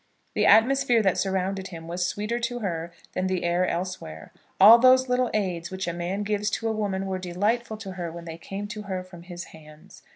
The atmosphere that surrounded him was sweeter to her than the air elsewhere. All those little aids which a man gives to a woman were delightful to her when they came to her from his hands.